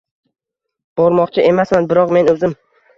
Bormoqchi emasman, biroq, men o‘zim